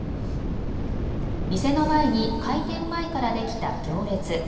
店の前に開店前からできた行列。